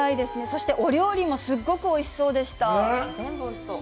そしてお料理もすごくおいしそうでした。